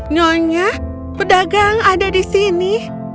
nyonya pedagang ada di sini